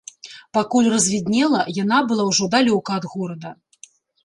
Пакуль развіднела, яна была ўжо далёка ад горада.